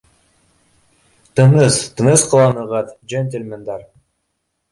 Тыныс, тыныс ҡыланығыҙ, джентельмендар